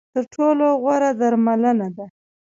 تر ټولو غوره درملنه ده .